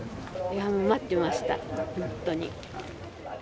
待ってました、本当に。